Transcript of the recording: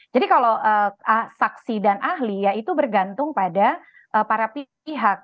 jadi kalau saksi dan ahli ya itu bergantung pada para pihak